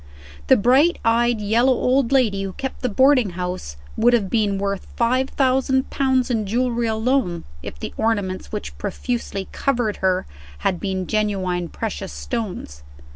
The bright eyed yellow old lady who kept the boarding house would have been worth five thousand pounds in jewelry alone, if the ornaments which profusely covered her had been genuine precious stones.